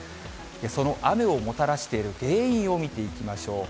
その雨をもたらしている原因を見ていきましょう。